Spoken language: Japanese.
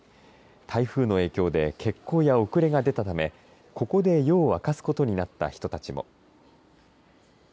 台風の影響で欠航や遅れが出たためここで夜を明かすことになった人たちも。